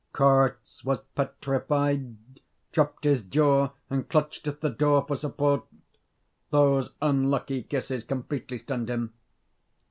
Korzh was petrified, dropped his jaw, and clutched at the door for support. Those unlucky kisses completely stunned him.